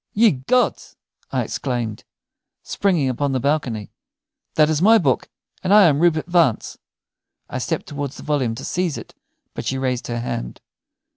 "Ye gods!" I exclaimed, springing upon the balcony, "that is my book, and I am Rupert Vance." I stepped toward the volume to seize it, but she raised her hand.